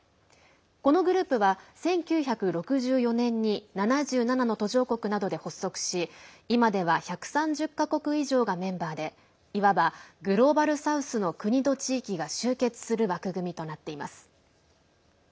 このグループは、１９６４年に７７の途上国などで発足し今では１３０か国以上がメンバーで、いわばグローバル・サウスの国と地域が集結する枠組みとなっています。